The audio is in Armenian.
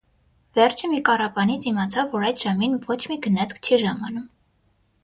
Վերջը մի կառապանից իմացավ, որ այդ ժամին ոչ մի գնացք չի ժամանում: